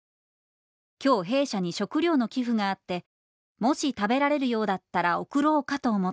今日弊社に食糧の寄付があってもし食べられるようだったら送ろうかと思って」。